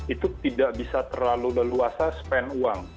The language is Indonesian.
itu tidak bisa terlalu leluasa spend uang